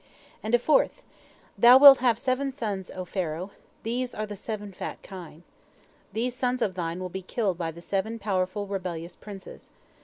And a fourth: "Thou wilt have seven sons, O Pharaoh, these are the seven fat kine. These sons of thine will be killed by the seven powerful rebellious princes.